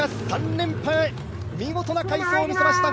３連覇へ見事な快走を見せました。